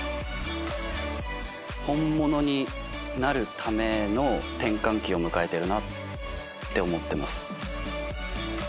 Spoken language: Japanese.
本物になるための転換期を迎えてるって思ってます。